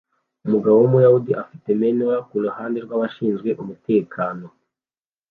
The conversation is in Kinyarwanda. umugabo wumuyahudi afite menorah kuruhande rwabashinzwe umutekano